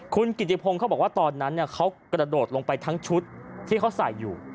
คุณกิติพงศ์เขาบอกว่าตอนนั้นเขากระโดดลงไปทั้งชุดที่เขาใส่อยู่